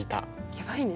やばいね。